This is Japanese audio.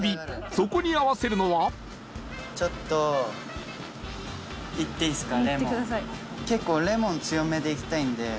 そこに合わせるのはちょっといっていいっすか。